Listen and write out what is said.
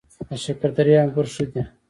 د شکردرې انګور ښه دي